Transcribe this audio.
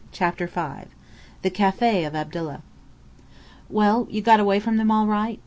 CHAPTER V THE CAFÉ OF ABDULLAH "Well you got away from them all right?"